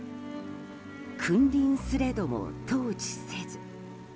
君臨すれども統治せず。